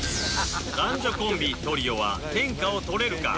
男女コンビ・トリオは天下を取れるか？